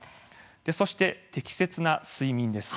そして適切な睡眠です。